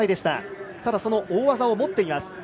ただ、大技を持っています。